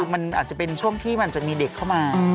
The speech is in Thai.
มันอาจจะเป็นช่วงที่มันจะมีเด็กเข้ามา